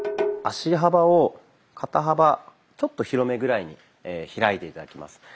足幅を肩幅ちょっと広めぐらいに開いて頂きます。